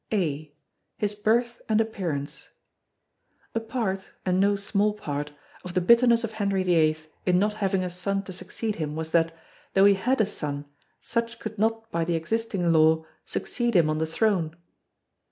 (a) His Birth and Appearance A part and no small part of the bitterness of Henry VIII in not having a son to succeed him was that, though he had a son, such could not by the existing law succeed him on the throne.